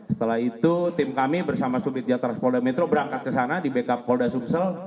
setelah itu tim kami bersama subdit jatras polda metro berangkat ke sana di backup polda sumsel